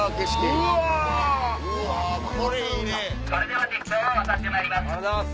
それでは鉄橋を渡ってまいります。